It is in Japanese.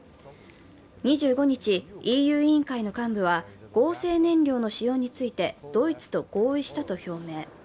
２５日、ＥＵ委員会の幹部は、合成燃料の使用についてドイツと合意したと表明。